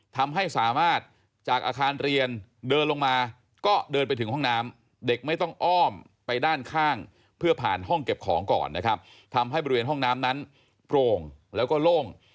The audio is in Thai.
ทำให้บริเวณห้องน้ำนั้นโปร่งแล้วก็โล่ง